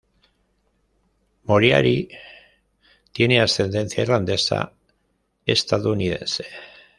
Moriarty tiene ascendencia irlandesa-estadounidense.